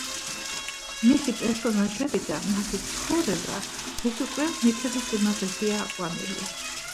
მისი პერსონაჟები და მათი ცხოვრება დღეს უკვე მითების სიმაღლეზეა აყვანილი.